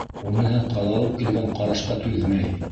Уныһы ҡаҙалып килгән ҡарашҡа түҙмәй: